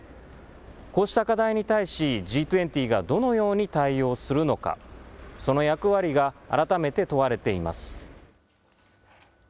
こうした課題に対し、Ｇ２０がどのように対応するのか、その役割が改めて問われています。